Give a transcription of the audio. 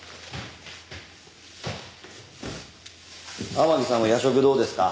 天樹さんも夜食どうですか？